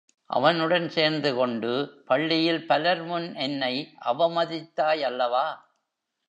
அவனுடன் சேர்ந்துகொண்டு பள்ளியில் பலர் முன் என்னை அவமதித்தாயல்லவா?